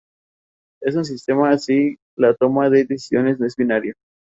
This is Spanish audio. Desde que estaba en la escuela primaria, ya pensaba que le gustaría ser cantante.